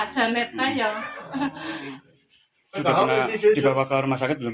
jika pakar rumah sakit belum